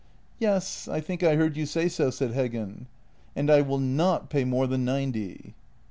" Yes; I think I heard you say so," said Heggen. " And I will not pay more than ninety."